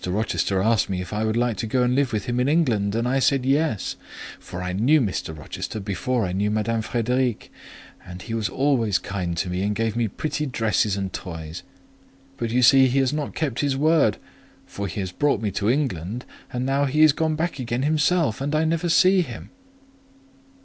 Rochester asked me if I would like to go and live with him in England, and I said yes; for I knew Mr. Rochester before I knew Madame Frédéric, and he was always kind to me and gave me pretty dresses and toys: but you see he has not kept his word, for he has brought me to England, and now he is gone back again himself, and I never see him."